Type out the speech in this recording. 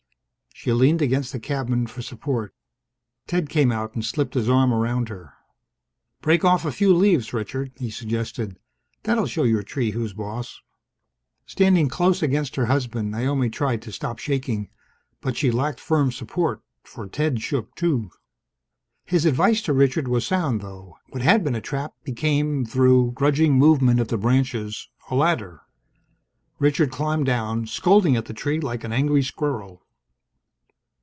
She leaned against the cabin for support. Ted came out and slipped his arm around her. "Break off a few leaves, Richard," he suggested. "That'll show your tree who's boss!" Standing close against her husband, Naomi tried to stop shaking. But she lacked firm support, for Ted shook, too. His advice to Richard was sound, though. What had been a trap became, through grudging movement of the branches, a ladder. Richard climbed down, scolding at the tree like an angry squirrel.